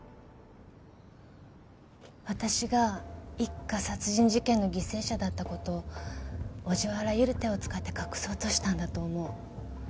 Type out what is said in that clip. わたしが一家殺人事件の犠牲者だったことを伯父はあらゆる手を使って隠そうとしたんだと思う。